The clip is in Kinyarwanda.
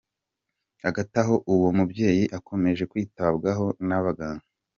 Hagati aho uwo mubyeyi akomeje kwitabwaho n’abaganga.